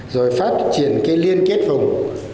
rồi phát triển cái liên kết vùng